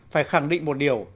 phải khẳng định một điều